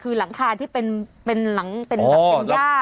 คือหลังคาที่เป็นหญ้า